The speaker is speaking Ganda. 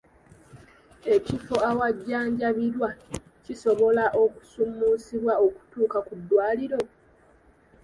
Ekifo awajjanjabirwa kisobola okusuumusibwa okutuuka ku ddwaliro?